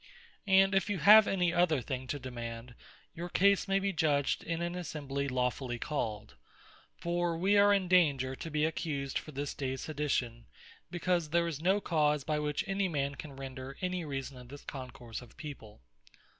And if you have any other thing to demand, your case may be judged in an Assembly Lawfully called. For we are in danger to be accused for this dayes sedition, because, there is no cause by which any man can render any reason of this Concourse of People."